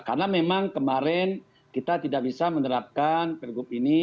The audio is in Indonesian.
karena memang kemarin kita tidak bisa menerapkan per grup ini